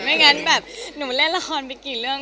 ไม่งั้นแบบหนูเล่นละครไปกี่เรื่อง